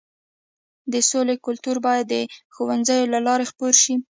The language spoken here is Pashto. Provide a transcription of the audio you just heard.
د سولې کلتور باید د ښوونځیو له لارې خپور شي.